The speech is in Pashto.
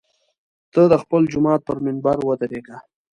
ته د خپل جومات پر منبر ودرېږه.